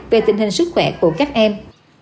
về tình hình sức khỏe của các em